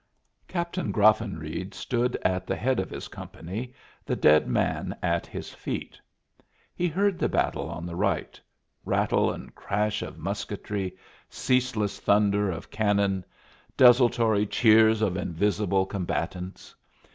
Captain Graffenreid stood at the head of his company, the dead man at his feet. He heard the battle on the right rattle and crash of musketry, ceaseless thunder of cannon, desultory cheers of invisible combatants.